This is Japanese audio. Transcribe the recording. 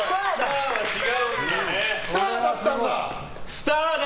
スターだ！